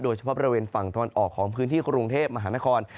โดยเฉพาะบริเวณฝั่งตะวันออกของพื้นที่กรุงเทพมหานคร